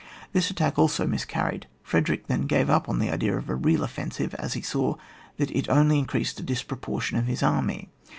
This attack also mis carried. Frederick then gave up all idea of a real offensive, as he saw that it only increased the disproportion of his army.